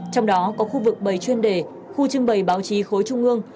trong đó có khu vực bảy chuyên đề khu trưng bày báo chí khối trung ương